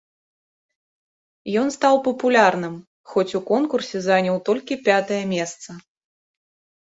Ён стаў папулярным, хоць у конкурсе заняў толькі пятае месца.